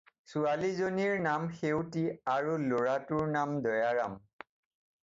ছোৱালীজনীৰ নাম সেউতী আৰু ল'ৰাটোৰ নাম দয়াৰাম।